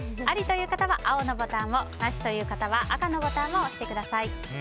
アリという方は青のボタンをナシという方は赤のボタンを押してください。